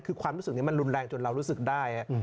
คือความรู้สึกนี้มันรุนแรงจนเรารู้สึกได้